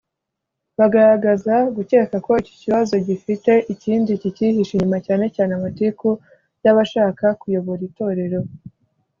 bagaragaza gukeka ko iki kibazo gifite ikindi kicyihishe inyuma cyane cyane amatiku yabashaka kuyobora itorero